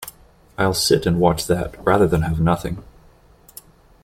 I'll sit and watch that rather than have nothing.